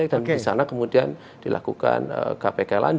dan di sana kemudian dilakukan kpk landa